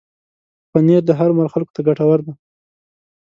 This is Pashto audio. پنېر د هر عمر خلکو ته ګټور دی.